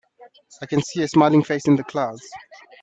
I can see a smiling face in the clouds.